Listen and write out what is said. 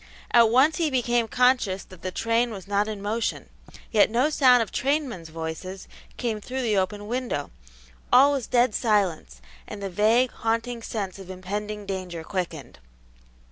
At once he became conscious that the train was not in motion, yet no sound of trainmen's voices came through the open window; all was dead silence, and the vague, haunting sense of impending danger quickened.